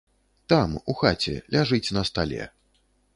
Там, у хаце, ляжыць на стале.